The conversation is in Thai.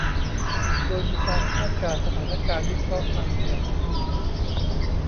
โดยมีการคาดการณ์สถานการณ์ วิเคราะห์ความเสี่ยง